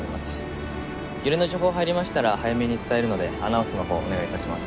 揺れの情報が入りましたら早めに伝えるのでアナウンスのほうお願い致します。